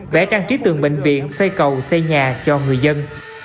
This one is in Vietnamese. vẽ trang trí tường bệnh viện xây cầu xây nhà cho người dân